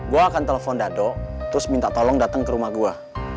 gue akan telepon dado terus minta tolong datang ke rumah gue